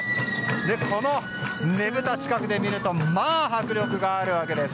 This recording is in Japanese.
このねぶた、近くで見ると迫力があるわけです。